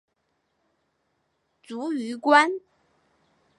卒于官。